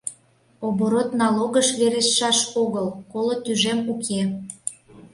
— Оборот налогыш верештшаш огыл, коло тӱжем уке...